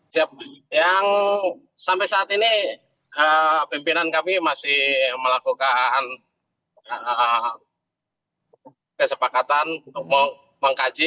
siapa yang sampai saat ini pimpinan kami masih melakukan kesepakatan untuk mengkaji